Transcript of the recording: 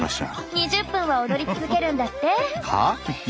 ２０分は踊り続けるんだって。